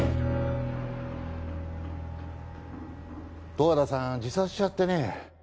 ・十和田さん自殺しちゃってね